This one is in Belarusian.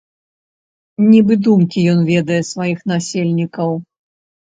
Нібы думкі ён ведае сваіх насельнікаў.